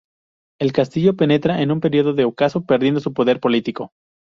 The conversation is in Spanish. El castillo penetra en un período de ocaso, perdiendo su poder político.